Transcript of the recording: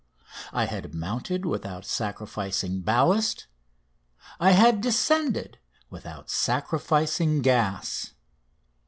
_ I had mounted without sacrificing ballast. I had descended without sacrificing gas.